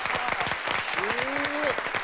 いい！